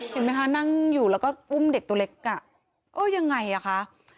เห็นไหมคะนั่งอยู่แล้วก็อุ้มเด็กตัวเล็กอ่ะเออยังไงอ่ะคะ